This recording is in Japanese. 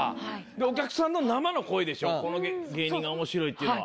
お客さんの生の声でしょう、この芸人がおもしろいっていうのは。